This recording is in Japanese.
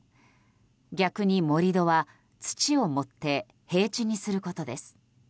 逆に盛り土は土を盛って平地にすることです。